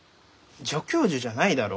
「助教授」じゃないだろ？